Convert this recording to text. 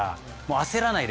焦らないで。